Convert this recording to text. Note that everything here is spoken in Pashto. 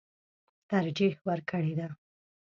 ترجېح ورکړې ده.